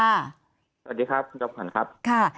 สวัสดีครับคุณจอมขวัญครับ